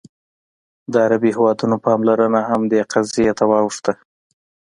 د عربي هېوادونو پاملرنه هم دې قضیې ته واوښته.